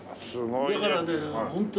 だからね本当に。